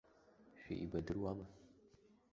Шәеибадыруама?